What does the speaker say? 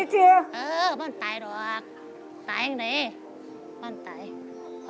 หวัดลา่ะ